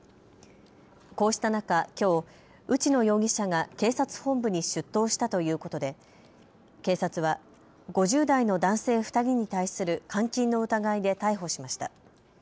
こうした中、きょう内野容疑者が警察本部に出頭したということで警察は５０代の男性２人に対する監禁の疑いで逮捕しました。